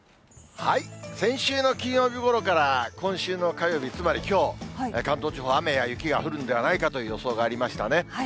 先週の金曜日ごろから今週の火曜日、つまりきょう、関東地方、雨や雪が降るんではないかという予想がありましたね。